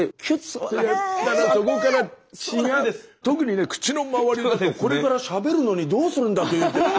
特にね口の周りだとこれからしゃべるのにどうするんだという。